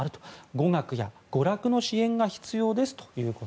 語学や娯楽の支援が必要だと。